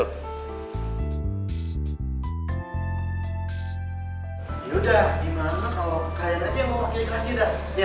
yaudah gimana kalau kalian aja yang mau pakai kelas kita